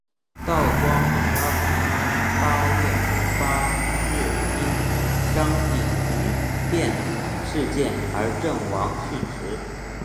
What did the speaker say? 道光十二年十月初八日因张丙民变事件而阵亡殉职。